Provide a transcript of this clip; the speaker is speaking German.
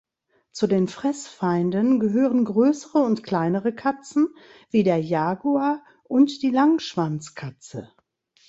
Zu den Fressfeinden gehören größere und kleinere Katzen wie der Jaguar und die Langschwanzkatze.